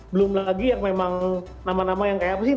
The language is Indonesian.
belum lagi yang memang nama nama yang kayak apa sih